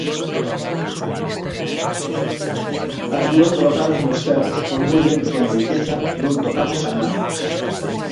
as dúas brocadas nos ferros, por moi ben que anoiteza, non tocamos a nada.